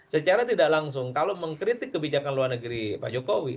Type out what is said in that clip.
secara tidak langsung kalau mengkritik kebijakan luar negeri pak jokowi